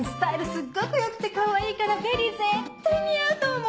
すっごく良くてかわいいからベリー絶対似合うと思う！